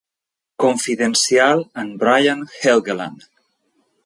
Confidencial amb Brian Helgeland.